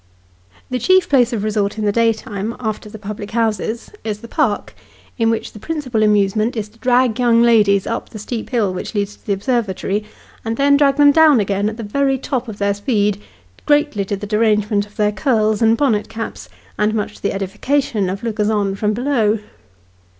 The chief place of resort in the daytime, after the public houses, is the park, in which the principal amusement is to drag young ladies up the steep hill which leads to the Observatory, and then drag them down again, at the very top of their speed, greatly to the derange ment of their curls and bonnet caps, and much to the edification of lookers on from below.